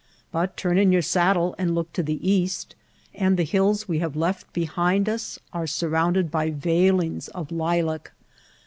But turn in your saddle and look to the east, and the hills we have left behind us are surrounded by veilings of lilac.